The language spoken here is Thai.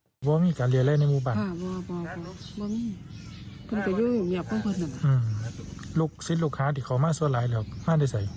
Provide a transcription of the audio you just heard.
ภูมิในการสำนักงามพระพุทธศาสนาจังหวัดร้อยเอ็ดบอกว่า